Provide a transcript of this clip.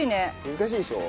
難しいでしょ？